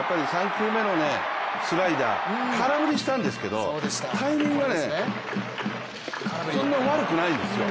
３球目のスライダー空振りしたんですけどタイミングはそんなに悪くないんですよ。